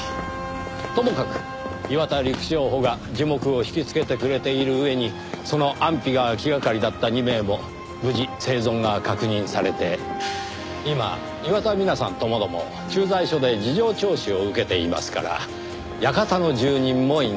ともかく岩田陸将補が耳目を引きつけてくれている上にその安否が気がかりだった２名も無事生存が確認されて今岩田ミナさん共々駐在所で事情聴取を受けていますから館の住人もいない。